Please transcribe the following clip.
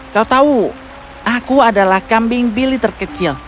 kau tahu aku adalah kambing bili terkecil